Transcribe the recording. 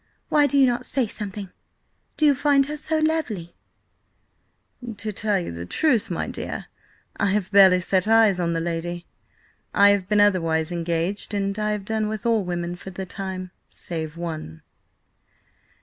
Why do you not say something; Do you find her so lovely?" "To tell the truth, my dear, I have barely set eyes on the lady. I have been otherwise engaged, and I have done with all women, for the time, save one."